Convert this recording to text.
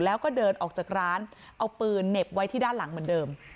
แล้วก็เดินออกจากร้านเอาปืนเหน็บไว้ที่ด้านหลังเหมือนเดิม